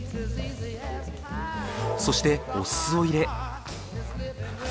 そしてお酢を入れ。